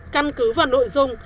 căn cứ vào nội dung